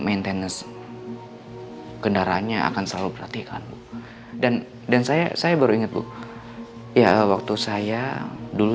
maintenance kendaraannya akan selalu perhatikan dan dan saya saya baru ingat bu ya waktu saya dulu